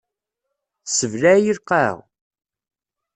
Tessebleɛ-iyi lqaɛa.